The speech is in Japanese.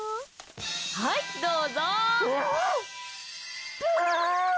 はい、どうぞ！